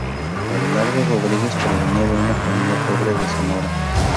Abelardo Rodríguez provenía de una familia pobre de Sonora.